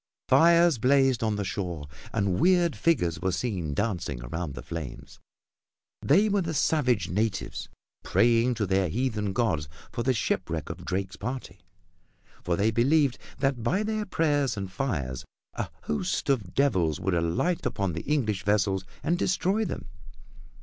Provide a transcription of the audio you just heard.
Fires blazed on the shore and weird figures were seen dancing around the flames. They were the savage natives, praying to their heathen gods for the shipwreck of Drake's party, for they believed that by their prayers and fires a host of devils would alight upon the English vessels and destroy them.